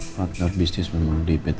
faktor bisnis memang di pt